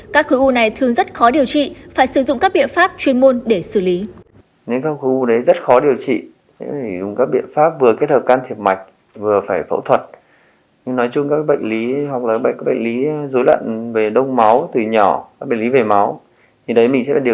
các khối u này thường rất khó điều trị phải sử dụng các biện pháp chuyên môn để xử lý